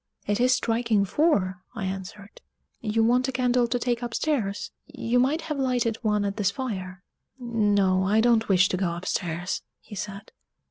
"It is striking four," I answered; "you want a candle to take upstairs you might have lighted one at this fire." "No, I don't wish to go upstairs," he said.